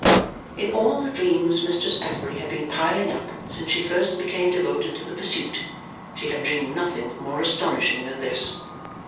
In all the dreams Mistress Affery had been piling up since she first became devoted to the pursuit, she had dreamed nothing more astonishing than this.